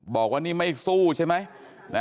บอกว่านี่ไม่สู้ใช่ไหม